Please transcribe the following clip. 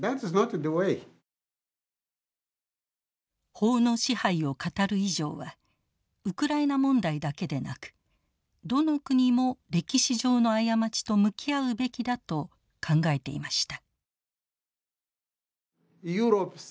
法の支配を語る以上はウクライナ問題だけでなくどの国も歴史上の過ちと向き合うべきだと考えていました。